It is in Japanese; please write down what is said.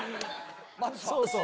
そうそう。